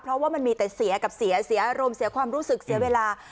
เพราะว่ามันมีแต่เสียกับเสียเสียอารมณ์เสียความรู้สึกเสียเวลา